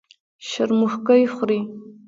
شرموښکۍ خوري.